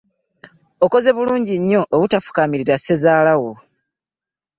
Okoze bulungi nnyo obutafukaamirira ssezaala wo.